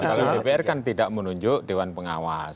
kalau dpr kan tidak menunjuk dewan pengawas